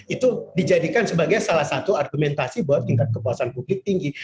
itu dijadikan sebagai salah satu argumentasi bahwa tingkat kepuasan publik tinggi